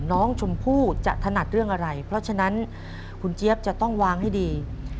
น้องชมพู่จะถนัดเรื่องอะไรเพราะฉะนั้นคุณเจี๊ยบจะต้องวางให้ดี